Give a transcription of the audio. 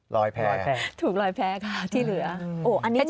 รอยแพ้ครับที่เหลือโอ้อันนี้